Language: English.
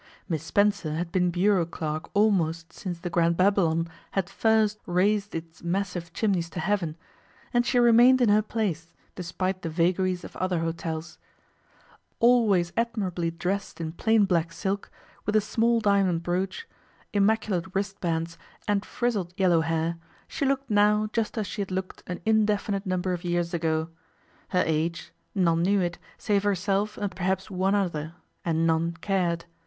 Miss Spencer had been bureau clerk almost since the Grand Babylon had first raised its massive chimneys to heaven, and she remained in her place despite the vagaries of other hotels. Always admirably dressed in plain black silk, with a small diamond brooch, immaculate wrist bands, and frizzed yellow hair, she looked now just as she had looked an indefinite number of years ago. Her age none knew it, save herself and perhaps one other, and none cared.